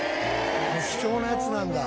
貴重なやつなんだ。